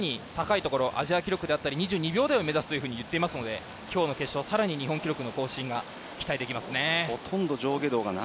本人は、さらに高いところアジア記録であったり２２秒台を目指すと言っていますので今日の決勝、さらに日本記録の更新が期待されますね。